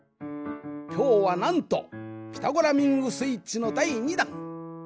きょうはなんと「ピタゴラミングスイッチ」の第２弾！